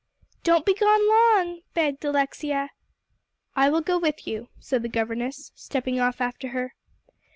"Don't be gone long," begged Alexia. "I will go with you," said the governess, stepping off after her.